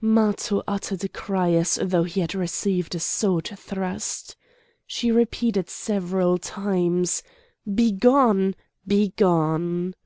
Matho uttered a cry as though he had received a sword thrust. She repeated several times: "Begone! begone!"